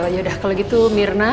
yaudah kalau gitu mirna